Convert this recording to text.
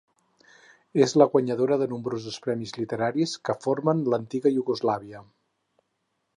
És la guanyadora de nombrosos premis literaris que formen l'antiga Iugoslàvia.